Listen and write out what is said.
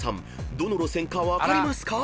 どの路線か分かりますか？］